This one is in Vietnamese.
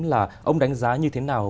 là ông đánh giá như thế nào